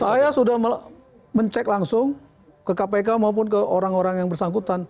saya sudah mencek langsung ke kpk maupun ke orang orang yang bersangkutan